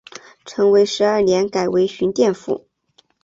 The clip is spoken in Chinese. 成化十二年改为寻甸府。